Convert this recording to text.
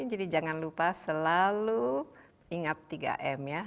jadi jangan lupa selalu ingat tiga m ya